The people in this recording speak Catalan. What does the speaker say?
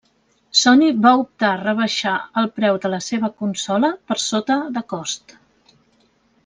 Sony va optar rebaixar el preu de la seva consola per sota de cost.